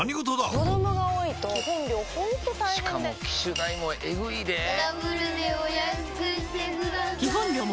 子供が多いと基本料ほんと大変でしかも機種代もエグいでぇダブルでお安くしてください